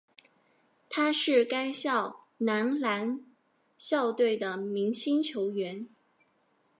他是该校男篮校队的明星球员。